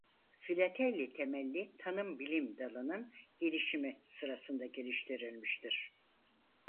Filateli temelli tanım bilim dalının gelişimi sırasında geliştirilmiştir.